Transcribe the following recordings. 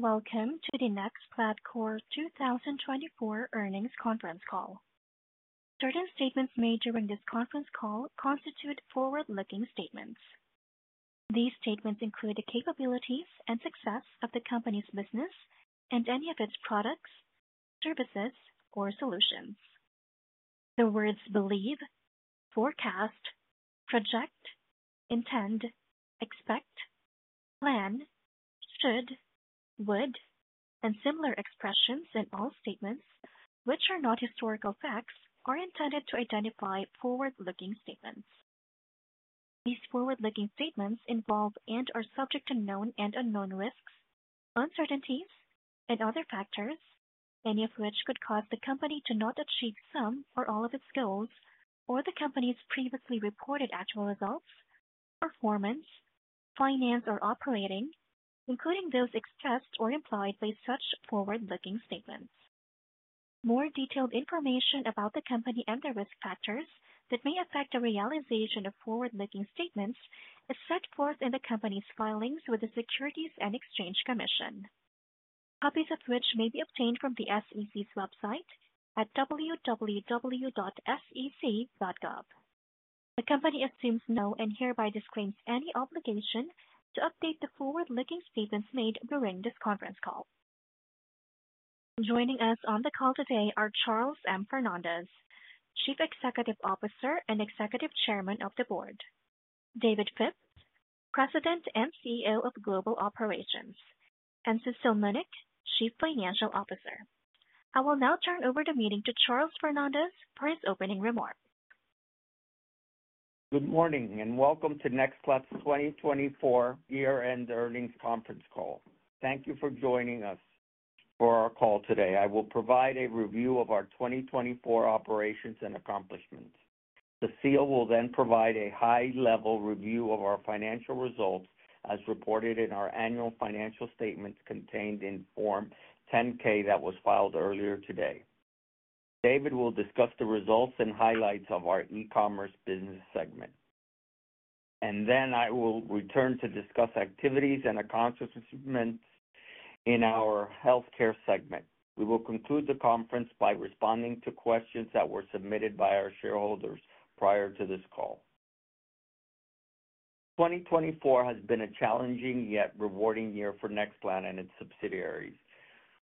Welcome to the NextPlat Corp 2024 Earnings Conference Call. Certain statements made during this conference call constitute forward-looking statements. These statements include, the capabilities and success of the company's business and any of its products, services, or solutions. The words "believe," "forecast," "project," "intend," "expect," "plan," "should," "would," and similar expressions in all statements, which are not historical facts, are intended to identify forward-looking statements. These forward-looking statements involve and are subject to known and unknown risks, uncertainties, and other factors, any of which could cause the company to not achieve some or all of its goals, or the company's previously reported actual results, performance, finance, or operating, including those expressed or implied by such forward-looking statements. More detailed information about the company and the risk factors that may affect the realization of forward-looking statements is set forth in the company's filings with the Securities and Exchange Commission, copies of which may be obtained from the SEC's website at www.sec.gov. The company assumes no and hereby disclaims any obligation to update the forward-looking statements made during this conference call. Joining us on the call today are Charles M. Fernandez, Chief Executive Officer and Executive Chairman of the Board, David Phipps, President and CEO of Global Operations, and Cecile Munnik, Chief Financial Officer. I will now turn over the meeting to Charles Fernandez for his opening remarks. Good morning, and welcome to NextPlat's 2024 Year-end Earnings Conference Call. Thank you for joining us for our call today. I will provide a review of our 2024 operations and accomplishments. Cecile will then provide a high-level review of our financial results, as reported in our annual financial statements contained in Form 10-K that was filed earlier today. David will discuss the results and highlights of our e-commerce business segment. I will return to discuss activities and accomplishments in our healthcare segment. We will conclude the conference by responding to questions that were submitted by our shareholders prior to this call. 2024 has been a challenging yet rewarding year for NextPlat and its subsidiaries.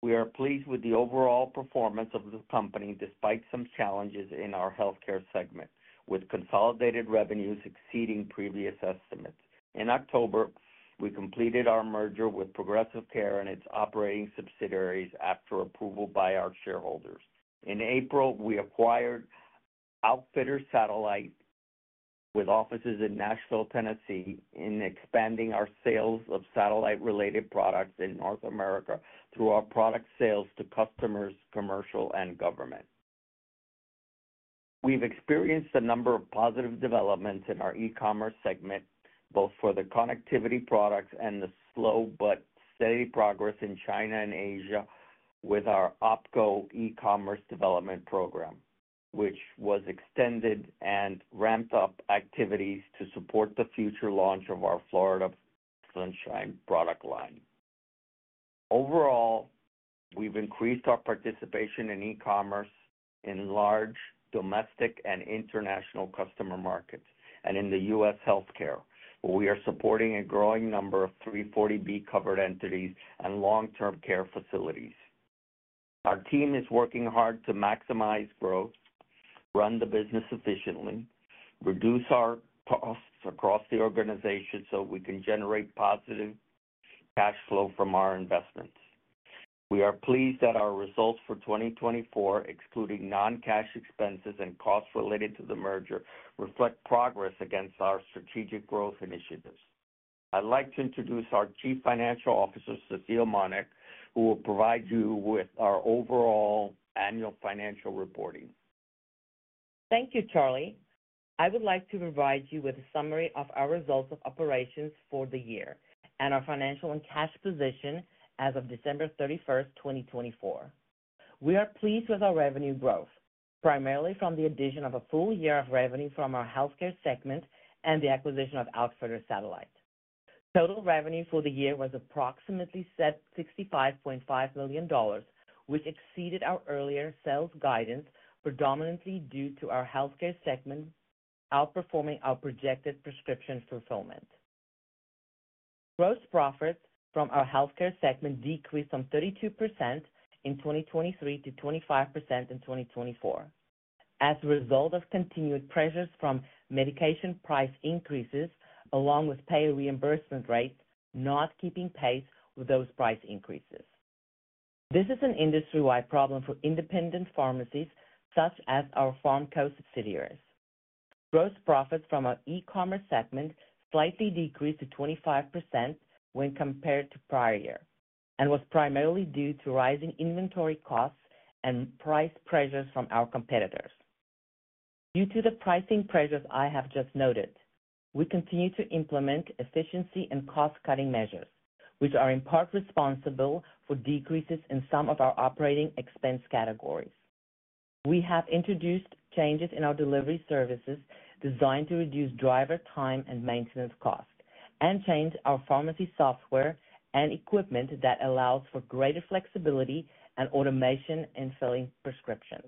We are pleased with the overall performance of the company despite some challenges in our healthcare segment, with consolidated revenues exceeding previous estimates. In October, we completed our merger with Progressive Care and its operating subsidiaries after approval by our shareholders. In April, we acquired Outfitter Satellite with offices in Nashville, Tennessee, and expanding our sales of satellite-related products in North America, through our product sales to customers, commercial, and government. We've experienced a number of positive developments in our e-commerce segment, both for the connectivity products and the slow but steady progress in China and Asia with our OPKO e-commerce development program, which was extended and ramped up activities to support the future launch of our Florida Sunshine product line. Overall, we've increased our participation in e-commerce in large domestic and international customer markets and in the U.S. healthcare, where we are supporting a growing number of 340B covered entities and long-term care facilities. Our team is working hard to maximize growth, run the business efficiently, reduce our costs across the organization, so we can generate positive cash flow from our investments. We are pleased that our results for 2024, excluding non-cash expenses and costs related to the merger, reflect progress against our strategic growth initiatives. I'd like to introduce our Chief Financial Officer, Cecile Munnik, who will provide you with our overall annual financial reporting. Thank you, Charlie. I would like to provide you with a summary of our results of operations for the year, and our financial and cash position as of December 31st, 2024. We are pleased with our revenue growth, primarily from the addition of a full year of revenue from our healthcare segment and the acquisition of Outfitter Satellite. Total revenue for the year was approximately $65.5 million, which exceeded our earlier sales guidance, predominantly due to our healthcare segment outperforming our projected prescription fulfillment. Gross profits from our healthcare segment decreased from 32% in 2023 to 25% in 2024, as a result of continued pressures from medication price increases, along with pay reimbursement rates not keeping pace with those price increases. This is an industry-wide problem for independent pharmacies, such as our PharmCo subsidiaries. Gross profits from our e-commerce segment slightly decreased to 25% when compared to prior year, and was primarily due to rising inventory costs and price pressures from our competitors. Due to the pricing pressures I have just noted, we continue to implement efficiency and cost-cutting measures, which are in part responsible for decreases in some of our operating expense categories. We have introduced changes in our delivery services, designed to reduce driver time and maintenance costs, and changed our pharmacy software and equipment that allows for greater flexibility and automation in filling prescriptions.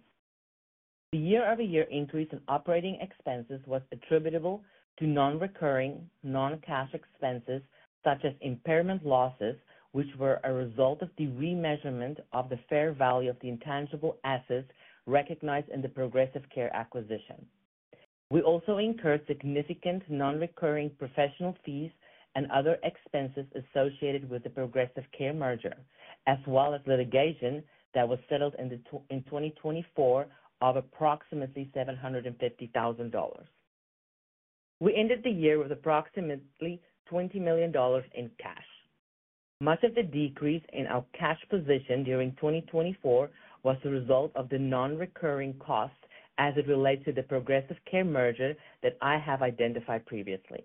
The year-over-year increase in operating expenses was attributable to non-recurring, non-cash expenses, such as impairment losses, which were a result of the re-measurement of the fair value of the intangible assets recognized in the Progressive Care acquisition. We also incurred significant non-recurring professional fees and other expenses associated with the Progressive Care merger, as well as litigation that was settled in 2024 of approximately $750,000. We ended the year with approximately $20 million in cash. Much of the decrease in our cash position during 2024 was the result of the non-recurring costs, as it relates to the Progressive Care merger that I have identified previously,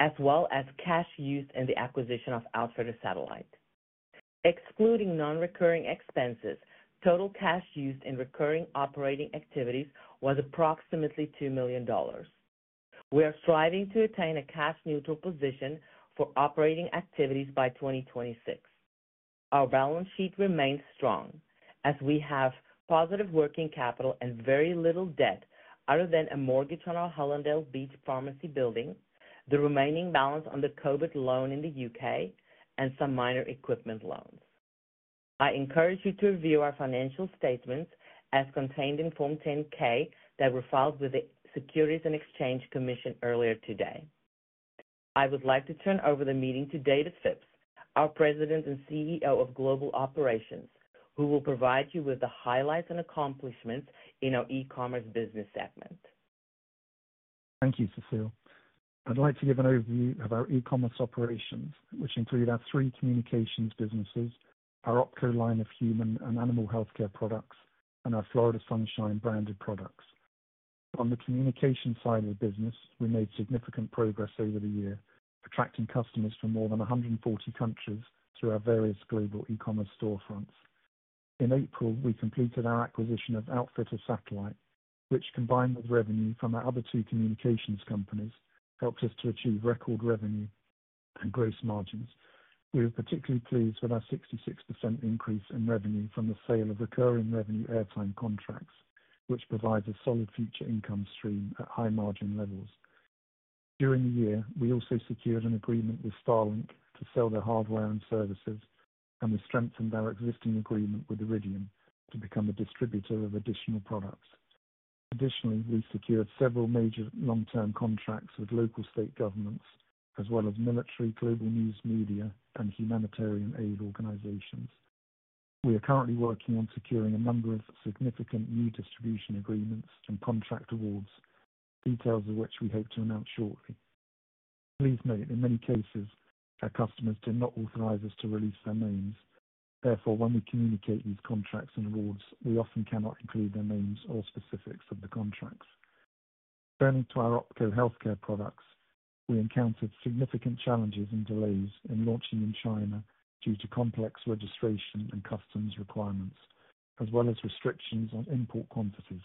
as well as cash used in the acquisition of Outfitter Satellite. Excluding non-recurring expenses, total cash used in recurring operating activities was approximately $2 million. We are striving to attain a cash-neutral position for operating activities by 2026. Our balance sheet remains strong, as we have positive working capital and very little debt, other than a mortgage on our Hallandale Beach Pharmacy building, the remaining balance on the COVID loan in the U.K., and some minor equipment loans. I encourage you to review our financial statements as contained in Form 10-K, that were filed with the Securities and Exchange Commission earlier today. I would like to turn over the meeting to David Phipps, our President and CEO of Global Operations, who will provide you with the highlights and accomplishments in our e-commerce business segment. Thank you, Cecile. I'd like to give an overview of our e-commerce operations, which include our three communications businesses, our OPKO line of human and animal healthcare products, and our Florida Sunshine branded products. On the communications side of the business, we made significant progress over the year, attracting customers from more than 140 countries through our various global e-commerce storefronts. In April, we completed our acquisition of Outfitter Satellite, which, combined with revenue from our other two communications companies, helped us to achieve record revenue and gross margins. We are particularly pleased with our 66% increase in revenue from the sale of recurring revenue airtime contracts, which provides a solid future income stream at high margin levels. During the year, we also secured an agreement with Starlink to sell their hardware and services, and we strengthened our existing agreement with Iridium to become a distributor of additional products. Additionally, we've secured several major long-term contracts with local state governments, as well as military, global news media, and humanitarian aid organizations. We are currently working on securing a number of significant new distribution agreements and contract awards, details of which we hope to announce shortly. Please note, in many cases, our customers did not authorize us to release their names. Therefore, when we communicate these contracts and awards, we often cannot include their names or specifics of the contracts. Turning to our OPKO healthcare products, we encountered significant challenges and delays in launching in China, due to complex registration and customs requirements, as well as restrictions on import quantities.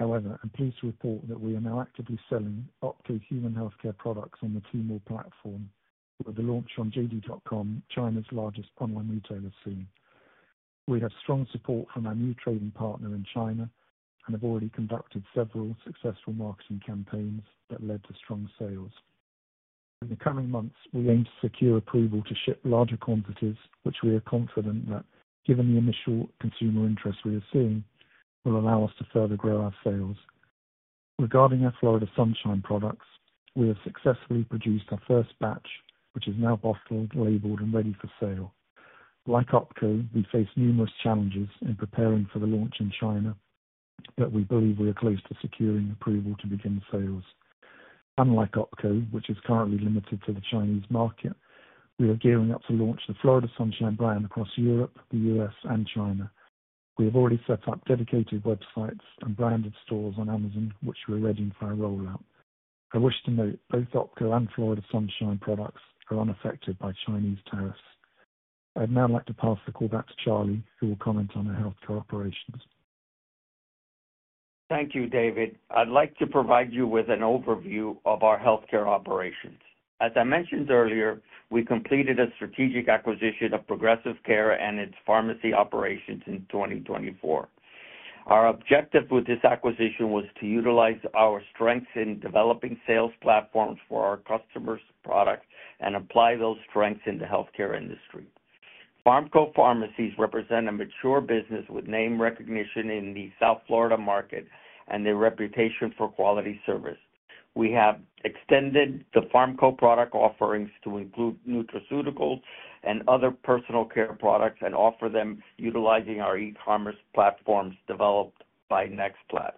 However, I'm pleased to report that we are now actively selling OPKO human healthcare products on the Temu platform, with the launch on JD.com, China's largest online retailer, soon. We have strong support from our new trading partner in China, and have already conducted several successful marketing campaigns that led to strong sales. In the coming months, we aim to secure approval to ship larger quantities, which we are confident that, given the initial consumer interest we are seeing, will allow us to further grow our sales. Regarding our Florida Sunshine products, we have successfully produced our first batch, which is now bottled, labeled, and ready for sale. Like OPKO, we face numerous challenges in preparing for the launch in China, but we believe we are close to securing approval to begin sales. Unlike OPKO, which is currently limited to the Chinese market, we are gearing up to launch the Florida Sunshine brand across Europe, the U.S., and China. We have already set up dedicated websites and branded stores on Amazon, which we're readying for our rollout. I wish to note, both OPKO and Florida Sunshine products are unaffected by Chinese tariffs. I'd now like to pass the call back to Charlie, who will comment on our healthcare operations. Thank you, David. I'd like to provide you with an overview of our healthcare operations. As I mentioned earlier, we completed a strategic acquisition of Progressive Care and its pharmacy operations in 2024. Our objective with this acquisition was to utilize our strengths in developing sales platforms for our customers' products, and apply those strengths in the healthcare industry. PharmCo pharmacies represent a mature business with name recognition in the South Florida market, and their reputation for quality service. We have extended the PharmCo product offerings to include nutraceuticals and other personal care products, and offer them utilizing our e-commerce platforms developed by NextPlat.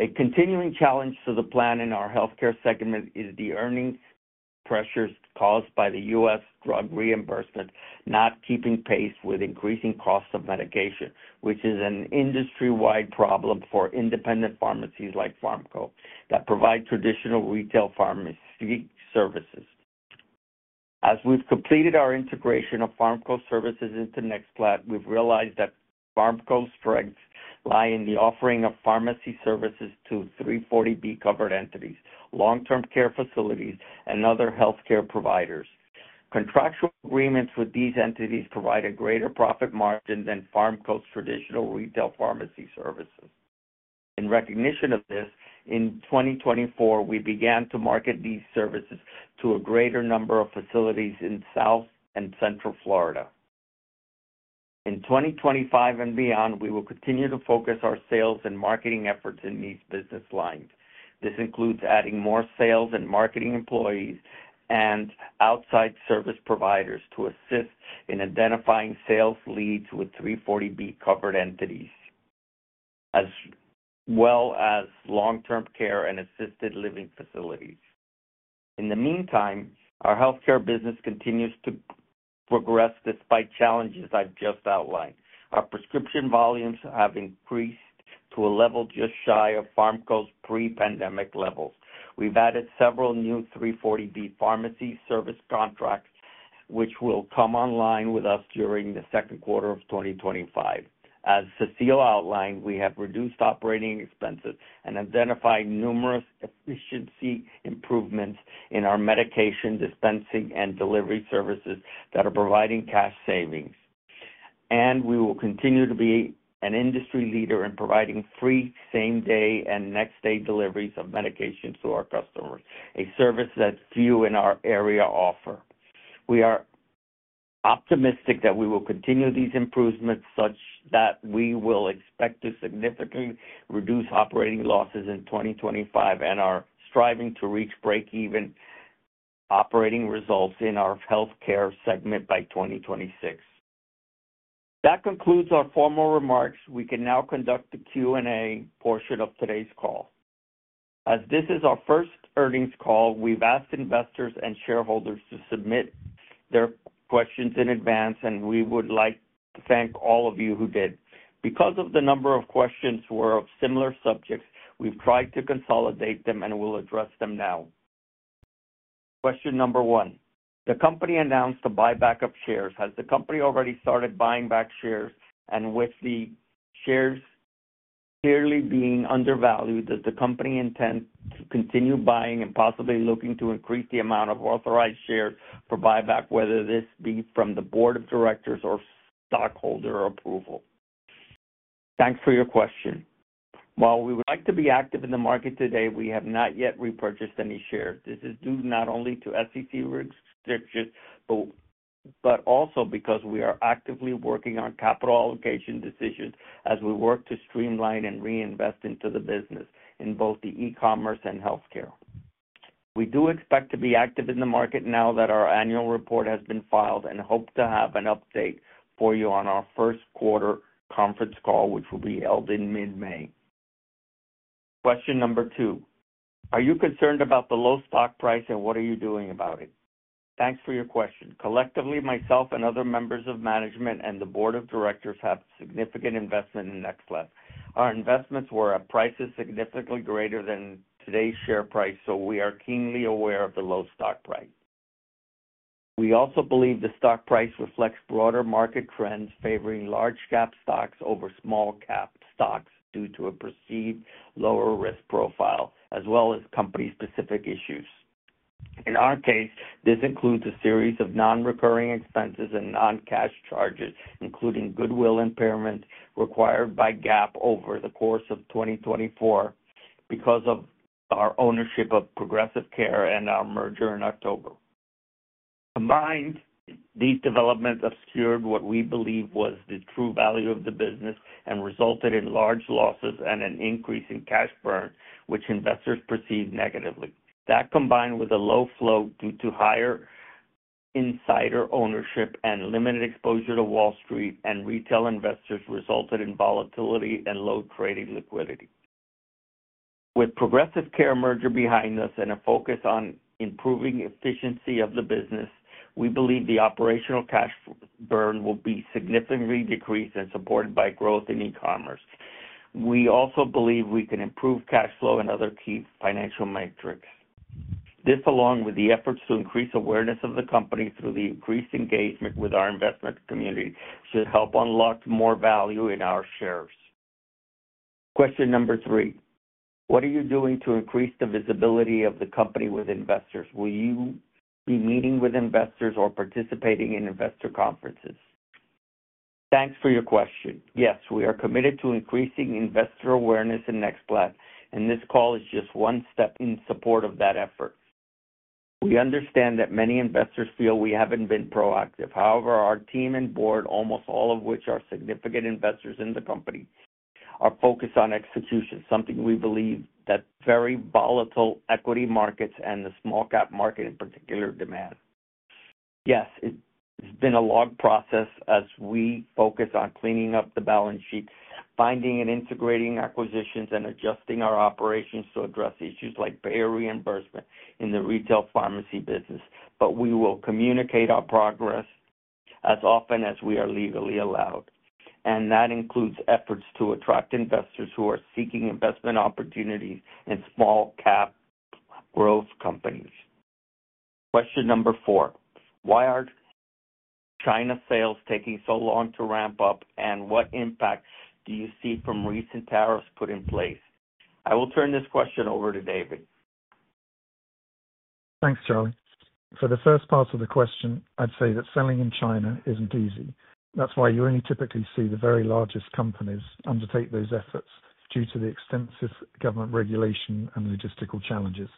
A continuing challenge to the plan in our healthcare segment is the earnings pressures caused by the U.S. drug reimbursement not keeping pace with increasing costs of medication, which is an industry-wide problem for independent pharmacies like PharmCo, that provide traditional retail pharmaceutical services. As we've completed our integration of PharmCo services into NextPlat, we've realized that PharmCo's strengths lie in the offering of pharmacy services to 340B covered entities, long-term care facilities, and other healthcare providers. Contractual agreements with these entities provide a greater profit margin than PharmCo's traditional retail pharmacy services. In recognition of this, in 2024, we began to market these services to a greater number of facilities in South and Central Florida. In 2025 and beyond, we will continue to focus our sales and marketing efforts in these business lines. This includes adding more sales and marketing employees, and outside service providers to assist in identifying sales leads with 340B covered entities, as well as long-term care and assisted living facilities. In the meantime, our healthcare business continues to progress despite the challenges I've just outlined. Our prescription volumes have increased to a level just shy of PharmCo's pre-pandemic levels. We've added several new 340B pharmacy service contracts, which will come online with us during the second quarter of 2025. As Cecile outlined, we have reduced operating expenses and identified numerous efficiency improvements in our medication dispensing, and delivery services that are providing cash savings. We will continue to be an industry leader in providing free, same-day, and next-day deliveries of medications to our customers, a service that few in our area offer. We are optimistic that we will continue these improvements, such that we will expect to significantly reduce operating losses in 2025 and are striving to reach break-even operating results in our healthcare segment by 2026. That concludes our formal remarks. We can now conduct the Q&A portion of today's call. As this is our first earnings call, we've asked investors and shareholders to submit their questions in advance, and we would like to thank all of you who did. Because the number of questions were of similar subjects, we've tried to consolidate them and will address them now. Question number one, the company announced a buyback of shares. Has the company already started buying back shares, and with the shares clearly being undervalued, does the company intend to continue buying and possibly looking to increase the amount of authorized shares for buyback, whether this be from the board of directors or stockholder approval? Thanks for your question. While we would like to be active in the market today, we have not yet repurchased any shares. This is due not only to SEC restrictions, but also because we are actively working on capital allocation decisions as we work to streamline and reinvest into the business, in both the e-commerce and healthcare. We do expect to be active in the market now that our annual report has been filed, and hope to have an update for you on our first quarter conference call, which will be held in mid-May. Question number two, are you concerned about the low stock price, and what are you doing about it? Thanks for your question. Collectively, myself and other members of management and the board of directors have significant investment in NextPlat. Our investments were at prices significantly greater than today's share price, so we are keenly aware of the low stock price. We also believe the stock price reflects broader market trends, favoring large-cap stocks over small-cap stocks due to a perceived lower risk profile, as well as company-specific issues. In our case, this includes a series of non-recurring expenses and non-cash charges, including goodwill impairment required by GAAP over the course of 2024, because of our ownership of Progressive Care and our merger in October. Combined, these developments obscured what we believe was the true value of the business, and resulted in large losses and an increase in cash burn, which investors perceived negatively. That combined with a low float due to higher insider ownership and limited exposure to Wall Street and retail investors, resulted in volatility and low trading liquidity. With the Progressive Care merger behind us and a focus on improving efficiency of the business, we believe the operational cash burn will be significantly decreased and supported by growth in e-commerce. We also believe we can improve cash flow and other key financial metrics. This, along with the efforts to increase awareness of the company through the increased engagement with our investment community, should help unlock more value in our shares. Question number three, what are you doing to increase the visibility of the company with investors? Will you be meeting with investors or participating in investor conferences? Thanks for your question. Yes, we are committed to increasing investor awareness in NextPlat, and this call is just one step in support of that effort. We understand that many investors feel we have not been proactive. However, our team and board, almost all of which are significant investors in the company, are focused on execution, something we believe that very volatile equity markets and the small-cap market in particular demand. Yes, it's been a long process, as we focus on cleaning up the balance sheet, finding and integrating acquisitions, and adjusting our operations to address issues like payer reimbursement in the retail pharmacy business. We will communicate our progress as often as we are legally allowed. That includes efforts to attract investors who are seeking investment opportunities in small-cap growth companies. Question number four, why are China sales taking so long to ramp up, and what impact do you see from recent tariffs put in place? I will turn this question over to David. Thanks, Charlie. For the first part of the question, I'd say that selling in China isn't easy. That's why you only typically see the very largest companies undertake those efforts, due to the extensive government regulation and logistical challenges.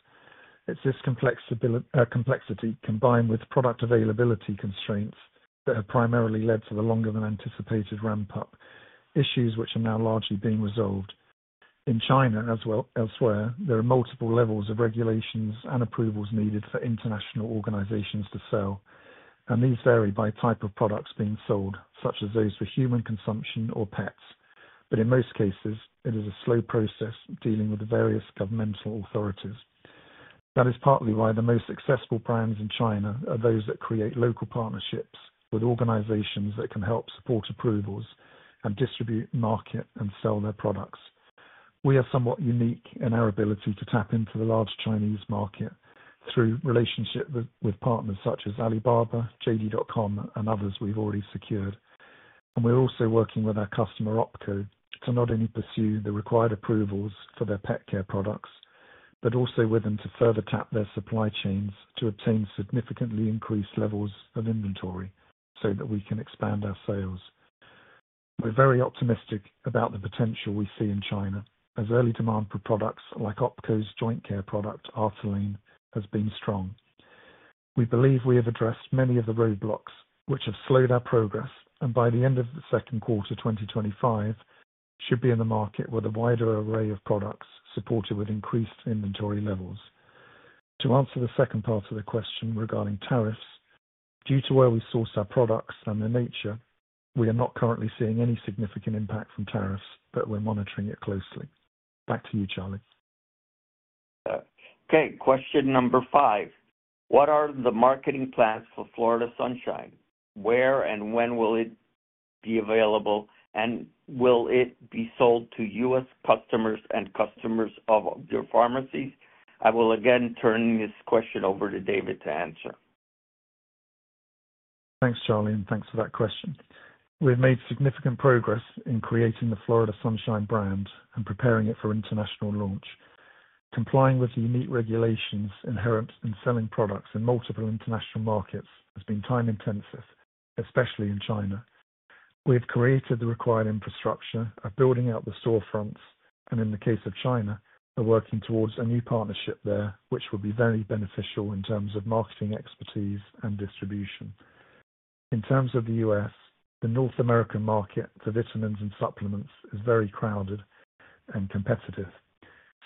It's this complexity combined with product availability constraints, that have primarily led to the longer-than-anticipated ramp-up, issues which are now largely being resolved. In China, as well elsewhere, there are multiple levels of regulations and approvals needed for international organizations to sell. These vary by type of products being sold, such as those for human consumption or pets. In most cases, it is a slow process dealing with the various governmental authorities. That is partly why the most accessible brands in China are those that create local partnerships with organizations that can help support approvals and distribute, market, and sell their products. We are somewhat unique in our ability to tap into the large Chinese market through relationships with partners such as Alibaba, JD.com, and others we've already secured. We are also working with our customer OPKO to not only pursue the required approvals for their pet care products, but also with them to further tap their supply chains to obtain significantly increased levels of inventory, so that we can expand our sales. We are very optimistic about the potential we see in China, as early demand for products like OPKO's joint care product, has been strong. We believe we have addressed many of the roadblocks which have slowed our progress, and by the end of the second quarter 2025, should be in the market with a wider array of products supported with increased inventory levels. To answer the second part of the question regarding tariffs, due to where we source our products and their nature, we are not currently seeing any significant impact from tariffs, but we're monitoring it closely. Back to you, Charlie. Okay. Question number five, what are the marketing plans for Florida Sunshine? Where and when will it be available, and will it be sold to U.S. customers and customers of your pharmacies? I will again turn this question over to David to answer. Thanks, Charlie, and thanks for that question. We've made significant progress in creating the Florida Sunshine brand, and preparing it for international launch. Complying with the unique regulations inherent in selling products in multiple international markets has been time-intensive, especially in China. We have created the required infrastructure of building out the storefronts, and in the case of China, we're working towards a new partnership there, which will be very beneficial in terms of marketing expertise and distribution. In terms of the U.S., the North American market for vitamins and supplements is very crowded and competitive.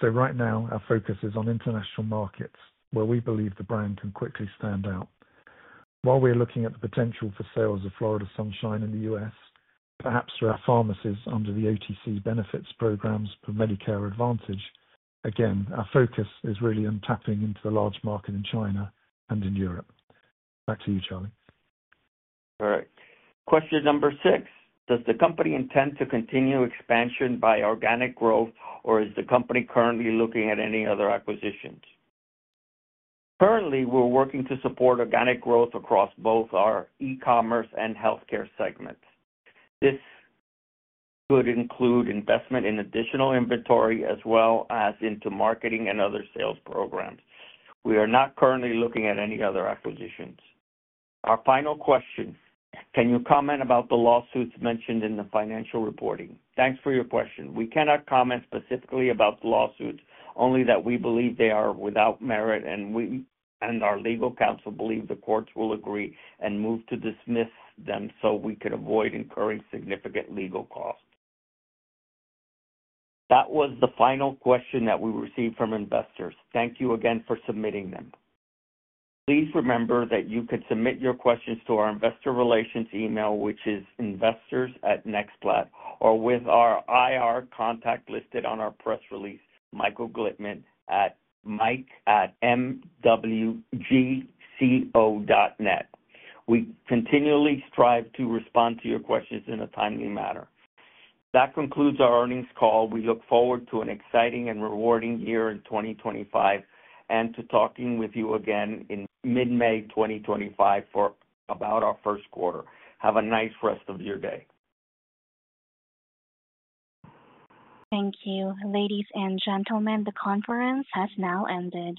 Right now, our focus is on international markets where we believe the brand can quickly stand out. While we are looking at the potential for sales of Florida Sunshine in the U.S., perhaps through our pharmacies under the OTC benefits programs for Medicare Advantage, again our focus is really on tapping into the large market in China and in Europe. Back to you, Charlie. All right. Question number six, does the company intend to continue expansion by organic growth or is the company currently looking at any other acquisitions? Currently, we're working to support organic growth across both our e-commerce and healthcare segments. This could include investment in additional inventory as well as into marketing and other sales programs. We are not currently looking at any other acquisitions. Our final question, can you comment about the lawsuits mentioned in the financial reporting? Thanks for your question. We cannot comment specifically about the lawsuits, only that we believe they are without merit, and our legal counsel believes the courts will agree and move to dismiss them so we can avoid incurring significant legal costs. That was the final question that we received from investors. Thank you again for submitting them. Please remember that you can submit your questions to our investor relations email, which is investors@nextplat, or with our IR contact listed on our press release, Michael Glickman at mike@mwgco.net. We continually strive to respond to your questions in a timely manner. That concludes our earnings call. We look forward to an exciting and rewarding year in 2025, and to talking with you again in mid-May 2025 about our first quarter. Have a nice rest of your day. Thank you. Ladies and gentlemen, the conference has now ended.